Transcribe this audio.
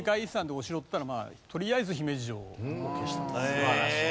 素晴らしい。